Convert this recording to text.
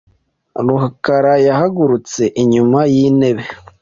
rukara yahagurutse inyuma yintebe .